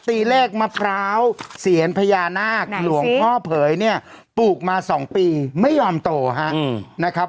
ตีเลขมะพร้าวเซียนพญานาคหลวงพ่อเผยเนี่ยปลูกมา๒ปีไม่ยอมโตฮะนะครับ